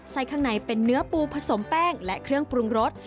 ข้างในเป็นเนื้อปูผสมแป้งและเครื่องปรุงรส